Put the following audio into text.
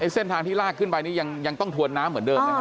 เส้นทางที่ลากขึ้นไปนี่ยังต้องถวนน้ำเหมือนเดิมนะครับ